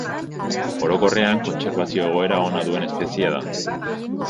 Orokorrean kontserbazio egoera ona duen espeziea da.